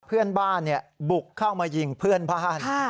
เพื่อนบ้านบุกเข้ามายิงเพื่อนบ้าน